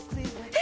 え？